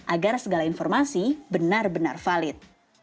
agar segala informasi benar benar valid